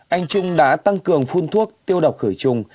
anh trung đã tăng cường phun thuốc tiêu độc khử trùng